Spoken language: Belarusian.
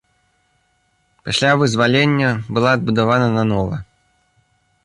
Пасля вызвалення была адбудавана нанова.